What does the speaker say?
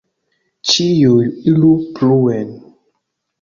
Ĉiuj iru pluen!